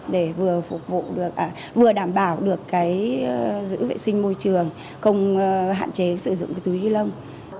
để vừa phục vụ được vừa đảm bảo được cái giữ vệ sinh môi trường không hạn chế sử dụng cái túi ni lông